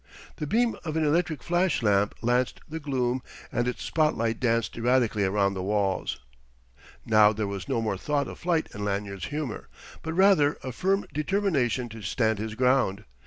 The beam of an electric flash lamp lanced the gloom and its spotlight danced erratically round the walls. Now there was no more thought of flight in Lanyard's humour, but rather a firm determination to stand his ground.